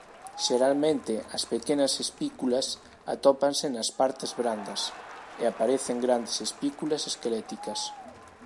Xeralmente as pequenas espículas atópanse nas partes brandas e aparecen grandes espículas esqueléticas.